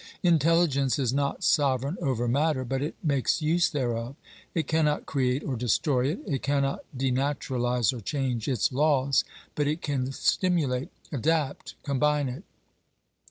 Intelligence is not sovereign over matter, but it makes use thereof. It cannot create or destroy it, it can not denaturalise or change its laws, but it can stimulate, adapt, combine it.